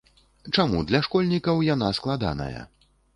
Чаму для школьнікаў яна складаная?